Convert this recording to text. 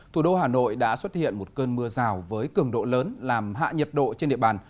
thủ đô hà nội đã xuất hiện một cơn mưa rào với cường độ lớn làm hạ nhiệt độ trên địa bàn